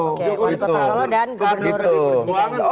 oke wali kota solo dan gubernur dki jakarta